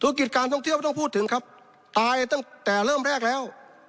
กิจการท่องเที่ยวไม่ต้องพูดถึงครับตายตั้งแต่เริ่มแรกแล้ว